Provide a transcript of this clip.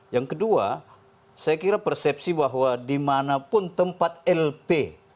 yang kedua saya kira persepsi bahwa dimanapun tempat lp